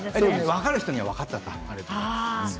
分かる人には分かったと思う。